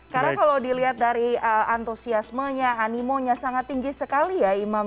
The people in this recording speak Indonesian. karena kalau dilihat dari antusiasmenya animonya sangat tinggi sekali ya imam